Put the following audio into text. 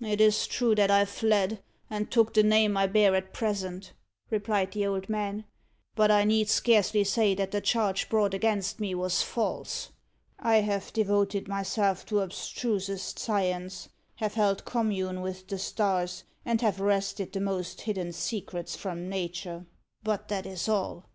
"It is true that I fled, and took the name I bear at present," replied the old man, "but I need scarcely say that the charge brought against me was false. I have devoted myself to abstrusest science, have held commune with the stars, and have wrested the most hidden secrets from Nature but that is all.